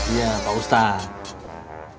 iya pak ustadz